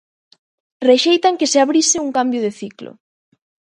Rexeitan que se abrise un cambio de ciclo.